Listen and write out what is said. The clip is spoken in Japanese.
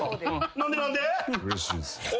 何で何で？